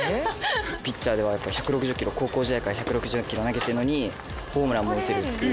ピッチャーで１６０キロ高校時代から１６０キロ投げてるのにホームランも打てるっていう。